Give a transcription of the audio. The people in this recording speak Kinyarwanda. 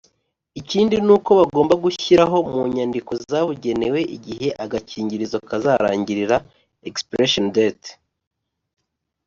ikindi n’uko bagomba gushyirirwaho mu nyandiko zabugenewe igihe agakingirizo kazarangirira(expiration date)